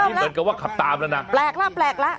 นี่เหมือนกับว่าขับตามแล้วนะแปลกแล้วแปลกแล้ว